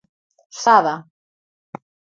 Sada.